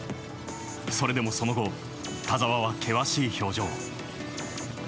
それでもその後田澤は険しい表情。